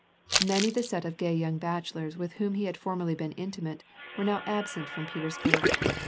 Many of the set of gay young bachelors with whom he had formerly been intimate were now absent from Petersburg.